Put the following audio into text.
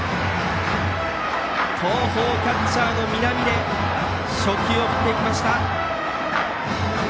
東邦キャッチャーの南出初球を振っていきました！